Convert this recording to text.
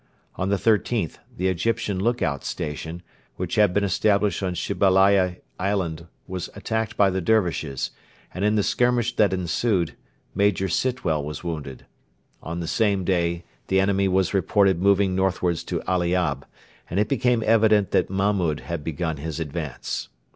On the 13th the Egyptian look out station, which had been established on Shebaliya island, was attacked by the Dervishes, and in the skirmish that ensued Major Sitwell was wounded. On the same day the enemy were reported moving northwards to Aliab, and it became evident that Mahmud had begun his advance.